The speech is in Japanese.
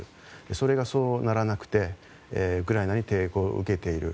それがそうならなくてウクライナに抵抗を受けている。